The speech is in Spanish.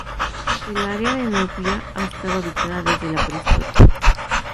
El área de Nauplia ha estado habitada desde la prehistoria.